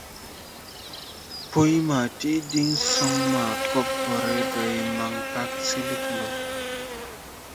Pũy: «Ma tiʼ diŋ soŋ ma Cogcõõre, day Mankag silig gɔ.».